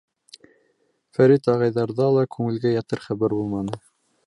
Фәрит ағайҙарҙа ла күңелгә ятыр хәбәр булманы.